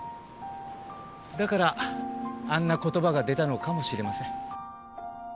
だからあんな言葉が出たのかもしれません。